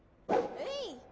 えい！